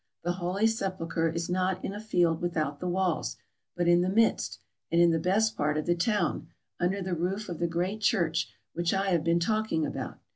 The Holy Sepulchre is not in a field with out the walls, but in the midst, and in the best part of the town, under the roof of the great church which I have been talking about.